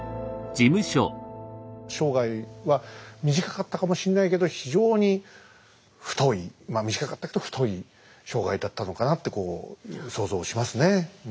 生涯は短かったかもしんないけど非常に太いまあ短かったけど太い生涯だったのかなってこう想像をしますね。